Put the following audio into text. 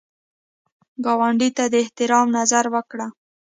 ګاونډي ته د احترام نظر وکړه